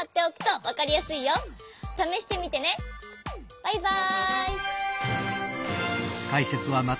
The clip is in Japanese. バイバイ！